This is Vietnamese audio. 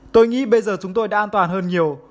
tôi nghĩ bây giờ chúng tôi đã an toàn hơn nhiều